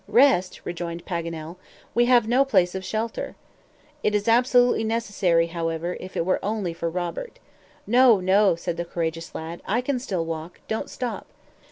"Rest?" rejoined Paganel; "we have no place of shelter." "It is absolutely necessary, however, if it were only for Robert." "No, no," said the courageous lad; "I can still walk; don't stop."